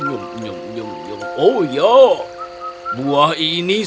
oh ya buah ini sangat manis